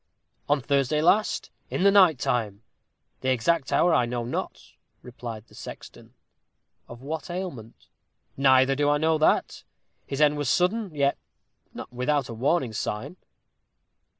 "On Thursday last, in the night time. The exact hour I know not," replied the sexton. "Of what ailment?" "Neither do I know that. His end was sudden, yet not without a warning sign."